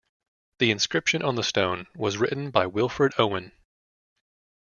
The inscription on the stone was written by Wilfred Owen.